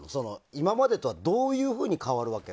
今までとはどういうふうに変わるわけ？